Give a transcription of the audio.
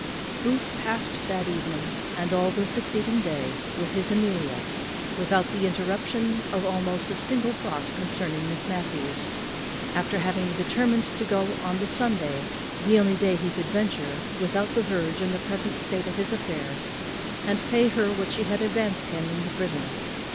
_ Booth past that evening, and all the succeeding day, with his Amelia, without the interruption of almost a single thought concerning Miss Matthews, after having determined to go on the Sunday, the only day he could venture without the verge in the present state of his affairs, and pay her what she had advanced for him in the prison.